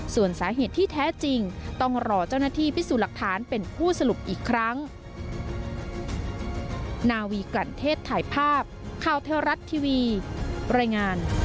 ส่วนสาเหตุที่แท้จริงต้องรอเจ้าหน้าที่พิสูจน์หลักฐานเป็นผู้สรุปอีกครั้ง